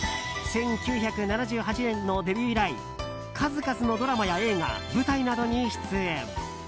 １９７８年のデビュー以来数々のドラマや映画舞台などに出演。